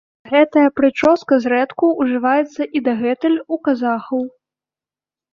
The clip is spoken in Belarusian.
Гэтая прычоска зрэдку ўжываецца і дагэтуль у казахаў.